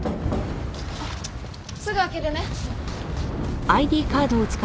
あっすぐ開けるね。